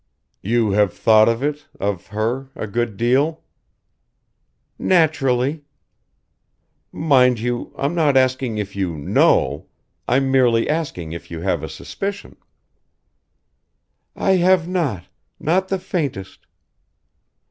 "You have thought of it of her a good deal?" "Naturally." "Mind you I'm not asking if you know I'm merely asking if you have a suspicion." "I have not not the faintest."